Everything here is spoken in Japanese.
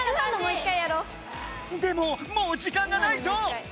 でももう時間がないぞ！